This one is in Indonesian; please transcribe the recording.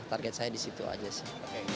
target saya di situ aja sih